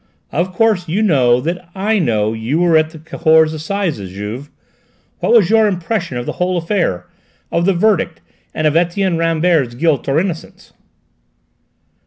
"Of course you know that I know you were at the Cahors Assizes, Juve? What was your impression of the whole affair of the verdict, and of Etienne Rambert's guilt or innocence?"